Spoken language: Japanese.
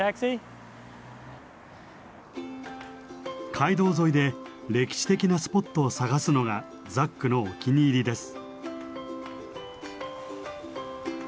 街道沿いで歴史的なスポットを探すのがザックのお気に入りです。